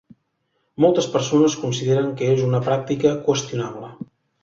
Moltes persones consideren que és una pràctica qüestionable.